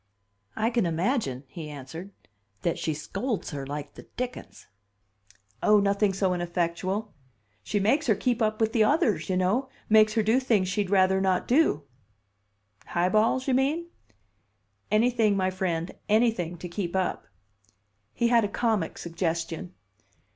"I can imagine," he answered, "that she scolds her like the dickens." "Oh, nothing so ineffectual! She makes her keep up with the others, you know. Makes her do things she'd rather not do." "High balls, you mean?" "Anything, my friend; anything to keep up." He had a comic suggestion.